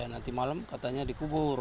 nanti malam katanya dikubur